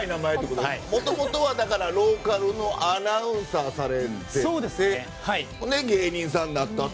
もともとはローカルのアナウンサーをされていてで、芸人さんになったと。